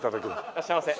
いらっしゃいませ。